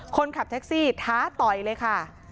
คนขับแท็กซี่ท้าต่อยเลยค่ะ